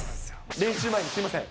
練習前にすみません。